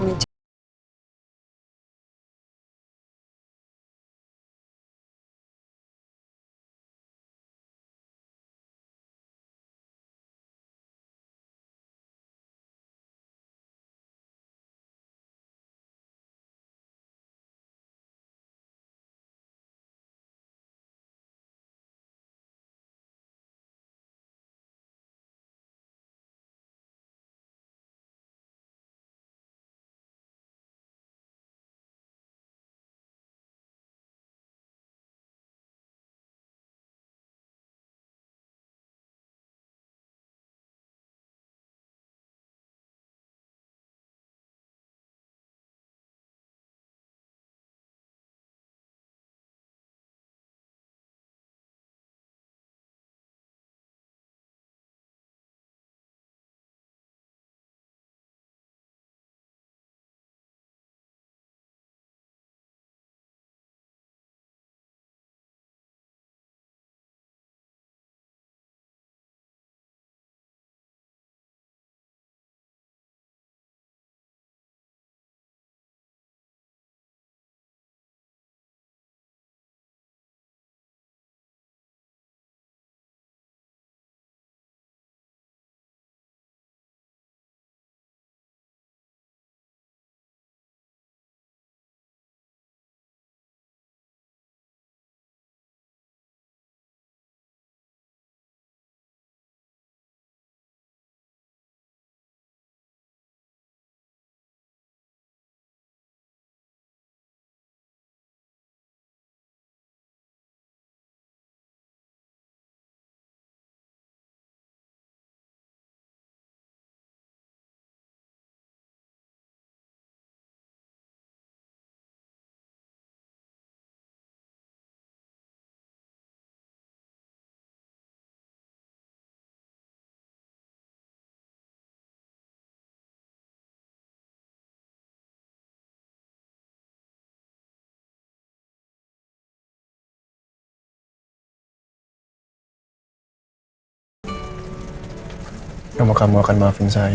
aku sudah selesai